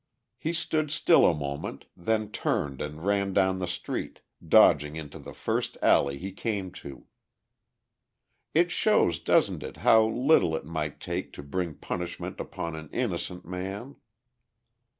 He stood still a moment, then turned and ran down the street, dodging into the first alley he came to. It shows, doesn't it, how little it might take to bring punishment upon an innocent man!"